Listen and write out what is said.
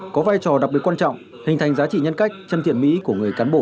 có vai trò đặc biệt quan trọng hình thành giá trị nhân cách chân thiện mỹ của người cán bộ